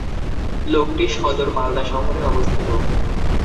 লোকটি সদর মালদা শহরে অবস্থিত।